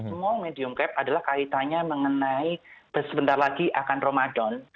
small medium cap adalah kaitannya mengenai sebentar lagi akan ramadan